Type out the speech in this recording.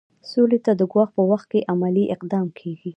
سولې ته د ګواښ په وخت کې عملي اقدام کیږي.